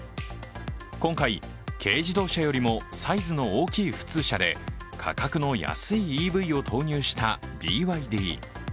今回、軽自動車よりもサイズの大きい普通車で価格の安いＥＶを投入したＢＹＤ。